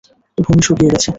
ভূমি শুকিয়ে গেছে।